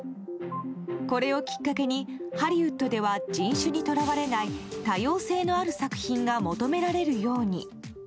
これをきっかけにハリウッドでは人種に捉われない多様性のある作品が求められるように。